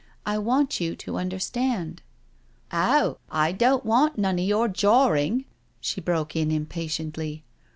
I want you to under stand ..•"*•" Oh, I don't want none of your jawring/' she broke in impatiently.